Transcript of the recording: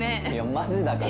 マジだから！